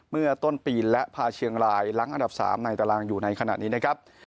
เมื่อต้นปีและพาเชียงรายล้างอันดับ๓ในตารางอยู่ในขณะนี้นะครับ